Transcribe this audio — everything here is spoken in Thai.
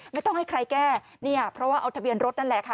ไม่ต้องให้ใครแก้เพราะว่าเอาทะเบียนรถนั้น